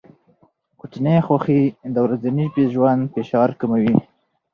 کوچني خوښۍ د ورځني ژوند فشار کموي.